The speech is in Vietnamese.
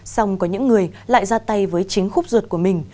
xong có những người lại ra tay với chính khúc ruột của mình